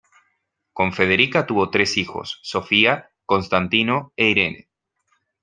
Con Federica tuvo tres hijos: Sofía, Constantino e Irene.